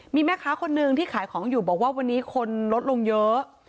มีแม่ค้าคนนึงที่ขายของอยู่บอกว่าวันนี้คนลดลงเยอะ